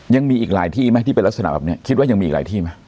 ยังมีอีกหลายที่ไหมที่เป็นลักษณะแบบนี้คิดว่ายังมีอีกหลายที่ไหม